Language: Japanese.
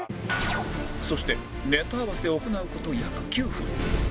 そしてネタ合わせを行う事約９分